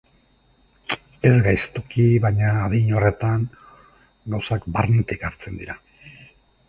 Ez gaiztoki, baina adin horretan, gauzak barnetik hartzen dira.